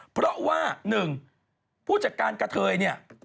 เพราะว่า๑ผู้จัดการกะเทยเนี่ย